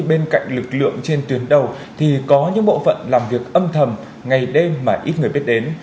bên cạnh lực lượng trên tuyến đầu thì có những bộ phận làm việc âm thầm ngày đêm mà ít người biết đến